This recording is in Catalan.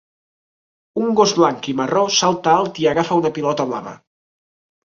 Un gos blanc i marró salta alt i agafa una pilota blava.